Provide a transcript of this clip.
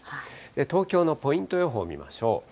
東京のポイント予報を見ましょう。